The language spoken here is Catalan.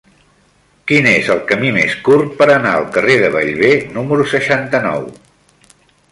Quin és el camí més curt per anar al carrer de Bellver número seixanta-nou?